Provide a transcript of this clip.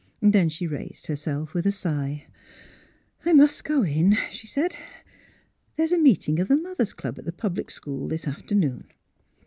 The she raised herself with a sigh. I must go in," she said. '* There is a meet ing of the Mothers' Club at the public school this afternoon."